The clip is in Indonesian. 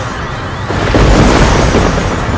lalu adalah yang sedang mengilangkanmu